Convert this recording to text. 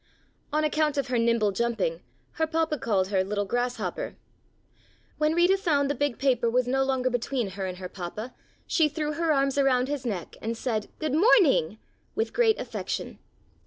On account of her nimble jumping her Papa called her little Grasshopper. When Rita found the big paper was no longer between her and her Papa she threw her arms around his neck and said, "Good morning," with great affection.